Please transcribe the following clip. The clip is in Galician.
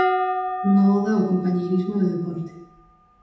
Unha oda ao compañeirismo e ao deporte.